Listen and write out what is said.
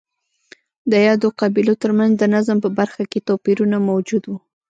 د یادو قبیلو ترمنځ د نظم په برخه کې توپیرونه موجود وو